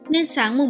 nên sáng bốn một mươi